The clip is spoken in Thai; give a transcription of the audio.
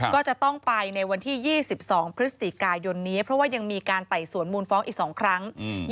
ก็จะต้องไปในวันที่๒๒พฤศจิกายนนี้เพราะว่ายังมีการไต่สวนมูลฟ้องอีก๒ครั้ง